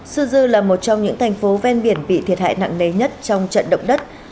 sư dư là một trong những thành phố ven biển bị thiệt hại nặng nề nhất trong trận động đất